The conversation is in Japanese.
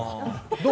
どう？